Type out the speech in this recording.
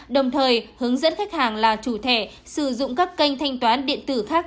đồng thời hướng dẫn khách hàng là chủ thẻ sử dụng các kênh thanh toán điện tử khác